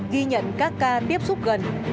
ghi nhận các ca tiếp xúc gần